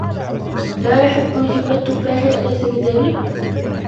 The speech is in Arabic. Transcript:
لا يحب جِم التفاح ، أليس كذلك ؟